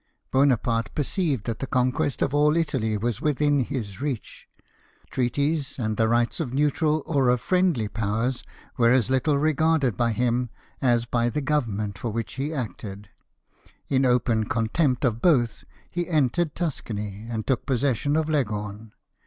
Bonaparte perceived that the conquest of all Italy was within his reach : treaties, and the rights of neutral or of friendly Powers, were as little regarded by him as by the Government for which he acted : in open contempt of both he entered Tuscany, and took possession of Leghorn.